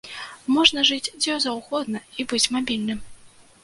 Можна жыць дзе заўгодна і быць мабільнымі.